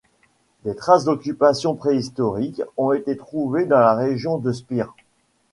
Des traces d’occupation préhistorique ont été trouvées dans la région de Spire.